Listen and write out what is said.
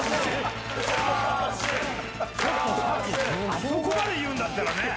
あそこまで言うんだったらね。